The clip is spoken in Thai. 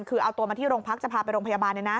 คือเอาตัวมาที่โรงพักจะพาไปโรงพยาบาล